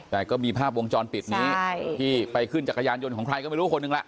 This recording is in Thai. แต่ก็มีภาพวงจรปิดนี้ที่ไปขึ้นจักรยานยนต์ของใครก็ไม่รู้คนหนึ่งล่ะ